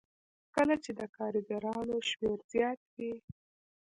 کله چې د کارګرانو شمېر زیات وي